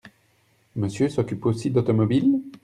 Monsieur s’occupe aussi d’automobile ?